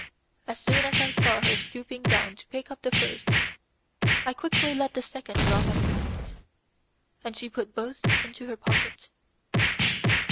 As soon as I saw her stooping down to pick up the first, I quickly let the second drop at her feet, and she put both into her pocket.